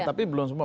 tapi belum semua